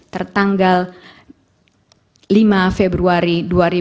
tertanggal lima februari dua ribu dua puluh